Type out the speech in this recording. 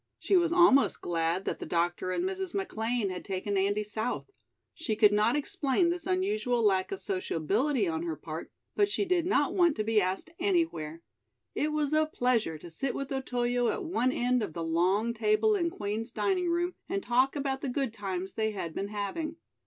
She was almost glad that the doctor and Mrs. McLean had taken Andy south. She could not explain this unusual lack of sociability on her part, but she did not want to be asked anywhere. It was a pleasure to sit with Otoyo at one end of the long table in Queen's dining room, and talk about the good times they had been having.